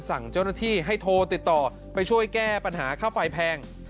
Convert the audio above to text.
สั่งเจ้าหน้าที่ให้โทรติดต่อไปช่วยแก้ปัญหาค่าไฟแพง